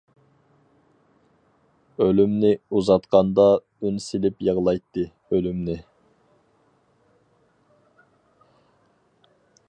ئۆلۈمنى ئۇزاتقاندا ئۈن سېلىپ يىغلايتتى، ئۆلۈمنى.